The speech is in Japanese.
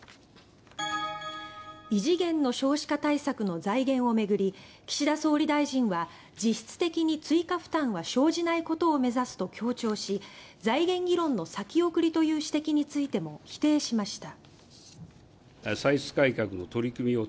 異次元の少子化対策の財源を巡り岸田総理大臣は「実質的に追加負担は生じないことを目指す」と強調し財源議論の先送りという指摘についても否定しました。